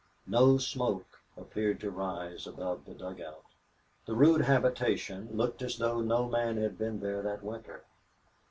No smoke appeared to rise above the dugout. The rude habitation looked as though no man had been there that winter.